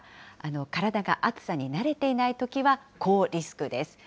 体が熱さに慣れていないときは、高リスクです。